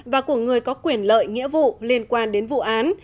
và của người có quyền lợi nghĩa vụ liên quan đến vụ án